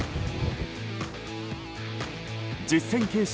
実戦形式